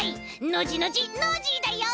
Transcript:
ノジノジノージーだよ！